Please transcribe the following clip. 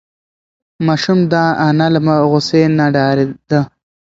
ماشوم د انا له غوسې نه ډارېده.